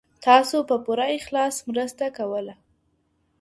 تاسو په پوره اخلاص مرسته کوله.